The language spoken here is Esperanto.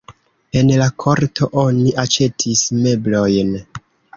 En la korto oni aĉetis meblojn.